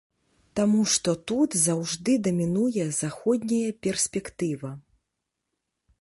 Таму што тут заўжды дамінуе заходняя перспектыва.